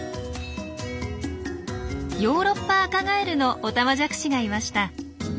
ヨーロッパアカガエルのオタマジャクシがいました。